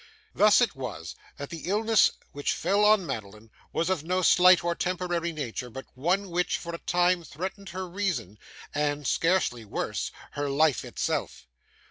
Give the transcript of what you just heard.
Thus it was that the illness which fell on Madeline was of no slight or temporary nature, but one which, for a time, threatened her reason, and scarcely worse her life itself.